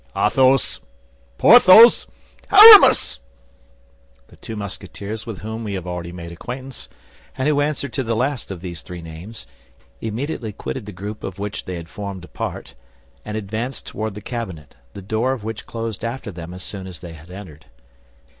"Athos! Porthos! Aramis!" The two Musketeers with whom we have already made acquaintance, and who answered to the last of these three names, immediately quitted the group of which they had formed a part, and advanced toward the cabinet, the door of which closed after them as soon as they had entered.